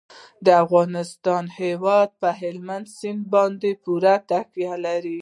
د افغانستان هیواد په هلمند سیند باندې پوره تکیه لري.